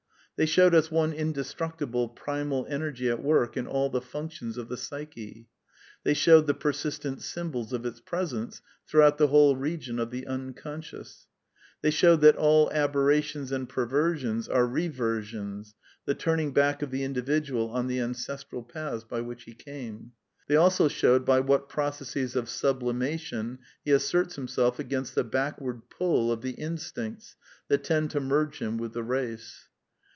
They showed us one indestructible primal energy at work in all the functions of the psyche. They showed the persistent symbols of its presence throughout the whole region of the " unconscious." They showed that all aberrations and perversions are rever sions, the turning back of the individual on the ancestral paths by which he came. They also showed by what processes of sublimation he asserts himself against the backward pull of the instincts that tend to merge him with the race.